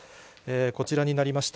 こちらになりました。